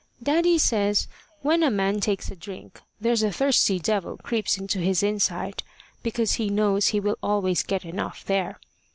Daddy says when a man takes a drink, there's a thirsty devil creeps into his inside, because he knows he will always get enough there.